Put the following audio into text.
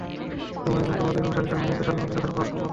তোমরা এবং তোমাদের অনুসারীরা আমার নিদর্শন বলে তাদের উপর প্রবল হবে।